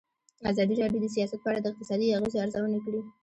ازادي راډیو د سیاست په اړه د اقتصادي اغېزو ارزونه کړې.